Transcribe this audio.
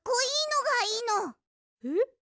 えっ？